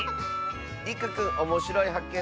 りくくんおもしろいはっけん